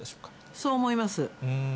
そう思います。